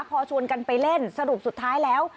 พอชวนกันไปเล่นสรุปสุดท้ายแล้ว